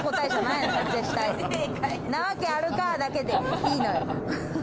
んなわけあるか！だけでいいのよ。